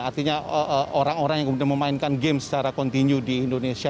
artinya orang orang yang kemudian memainkan game secara kontinu di indonesia